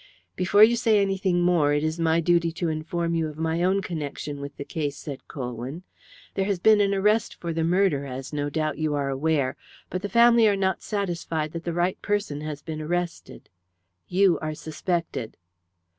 "Before you say anything more it is my duty to inform you of my own connection with the case," said Colwyn. "There has been an arrest for the murder, as no doubt you are aware, but the family are not satisfied that the right person has been arrested. You are suspected."